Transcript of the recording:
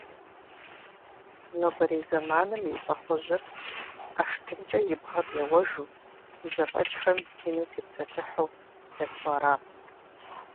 Нобэрей зэманым и лӏыхъужьыр ӏэштӏымкӏэ и бгъэм еуэжу, и зэфӏэкӏхэм ину тепсэлъыхьу дэту аракъым.